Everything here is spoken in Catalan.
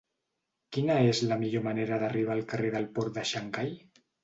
Quina és la millor manera d'arribar al carrer del Port de Xangai?